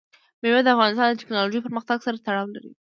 مېوې د افغانستان د تکنالوژۍ پرمختګ سره تړاو لري.